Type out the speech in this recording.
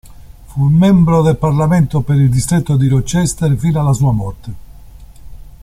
Fu membro del parlamento per il distretto di Rochester fino alla sua morte.